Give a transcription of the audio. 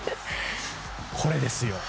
これですよ。